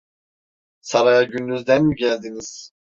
Saraya gündüzden mi geldiniz?